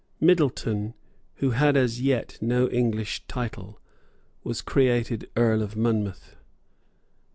Middleton, who had as yet no English title, was created Earl of Monmouth.